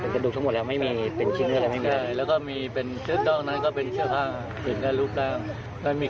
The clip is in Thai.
กระดูกทั้งหมดแล้วไม่มีเป็นชิ้นอะไร